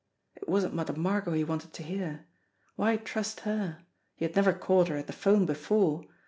It wasn't Mother Margot he wanted to hear. Why trust her? He had never caught her at the phone before